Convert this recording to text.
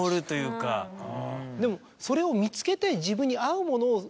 でもそれを見つけて。